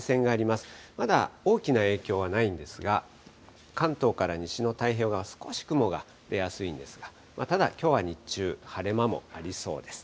まだ大きな影響はないんですが、関東から西の太平洋側、少し雲が出やすいんですが、ただ、きょうは日中、晴れ間もありそうです。